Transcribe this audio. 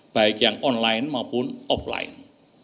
baik yang online maupun offline